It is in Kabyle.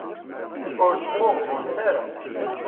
Ur smuɣbunet ara.